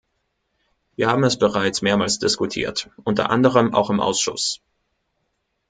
Wir haben es bereits mehrmals diskutiert, unter anderem auch im Ausschuss.